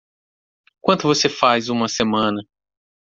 Quanto você faz uma semana?